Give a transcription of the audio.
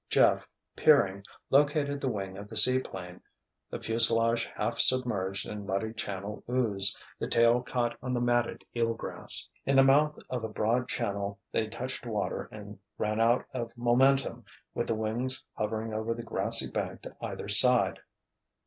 Jeff, peering, located the wing of the seaplane, the fuselage half submerged in muddy channel ooze, the tail caught on the matted eel grass. In the mouth of a broad channel they touched water and ran out of momentum with the wings hovering over the grassy bank to either side.